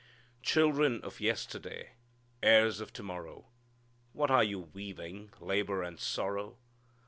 "Children of yesterday, Heirs of to morrow, What are you weaving Labor and sorrow?